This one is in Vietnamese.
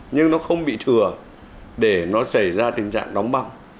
nhưng nó không bị thừa để nó xảy ra tình trạng đóng băng